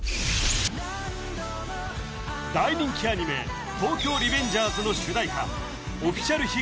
大人気アニメ「東京リベンジャーズ」の主題歌